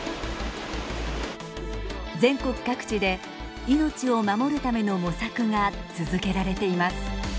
全国各地で命を守るための模索が続けられています。